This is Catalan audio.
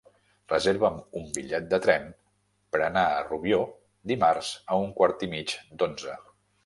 Reserva'm un bitllet de tren per anar a Rubió dimarts a un quart i mig d'onze.